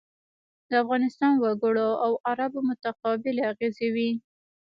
د افغانستان وګړو او عربو متقابلې اغېزې وې.